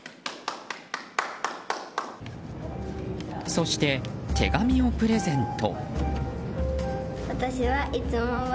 そして、手紙をプレゼント。